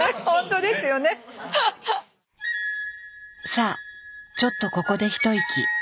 さあちょっとここで一息。